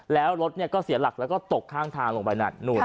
แล้วรถก็เสียหลักแล้วก็ตกข้างทางลงไปนั่น